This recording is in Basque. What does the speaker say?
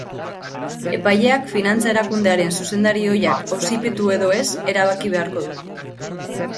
Epaileak finantza erakundearen zuzendari ohiak auzipetu edo ez erabaki beharko du.